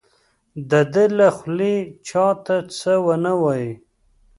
د ده له خولې چا ته څه ونه وایي.